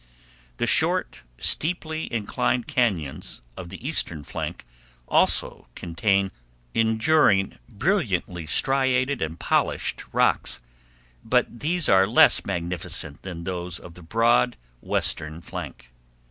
The short, steeply inclined cañons of the eastern flank also contain enduring, brilliantly striated and polished rocks, but these are less magnificent than those of the broad western flank.